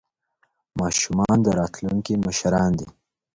ماشومان د راتلونکي مشران دي.